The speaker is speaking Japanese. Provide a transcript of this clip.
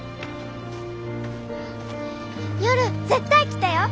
夜絶対来てよ！